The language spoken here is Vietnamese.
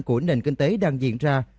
của nền kinh tế đang diễn ra